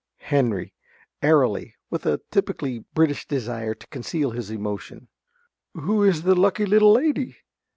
~Henry~ (airily, with a typically British desire to conceal his emotion). Who is the lucky little lady?